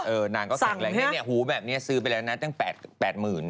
เออนานก็แข็งแหลงนี้เนี่ยหูแบบนี้ซื้อไปแล้วนะตั้งแปดหมื่น